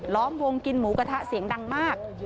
้อมวงกินหมูกระทะเสียงดังมาก